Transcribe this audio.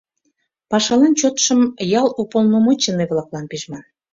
Пашалан чотшым ял уполномоченный-влаклан пижман.